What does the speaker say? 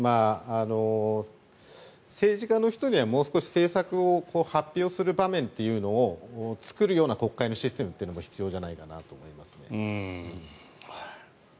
政治家の人にはもう少し政策を発表する場面というのを作るような国会のシステムも必要じゃないかなと思いますね。